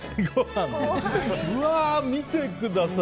うわ、見てください。